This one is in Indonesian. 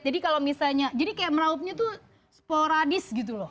jadi kalau misalnya jadi kayak meraupnya itu sporadis gitu loh